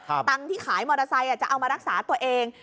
ตังค์ที่ขายมอเตอร์ไซค์จะเอามารักษาตัวเอง